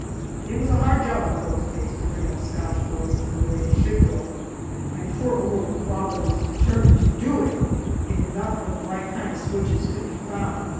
It was a hard job in those days to bring up Scotch boys in the way they should go; and poor overworked father was determined to do it if enough of the right kind of switches could be found.